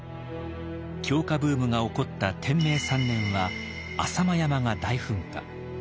狂歌ブームが起こった天明３年は浅間山が大噴火。